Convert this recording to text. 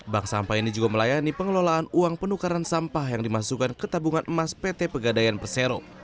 bank sampah ini juga melayani pengelolaan uang penukaran sampah yang dimasukkan ke tabungan emas pt pegadaian persero